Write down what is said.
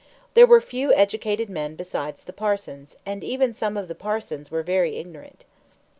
There were few educated men besides the parsons, and even some of the parsons were very ignorant.